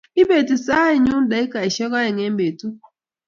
Ipeti sainyudakikoshek aeng eng petut